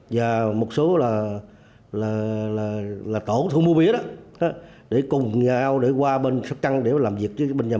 và một số là tổ thu mua mía đó để cùng nhau để qua bên sóc trăng để làm việc